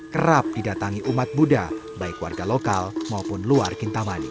kerap didatangi umat buddha baik warga lokal maupun luar kintamani